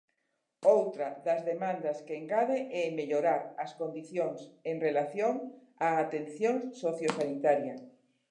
Outra das demandas que engade é "mellorar as condicións en relación á atención sociosanitaria".